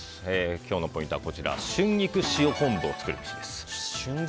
今日のポイントは春菊塩昆布を作るべしです。